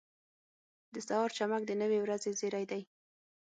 • د سهار چمک د نوې ورځې زېری دی.